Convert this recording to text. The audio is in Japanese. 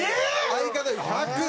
「相方」１００。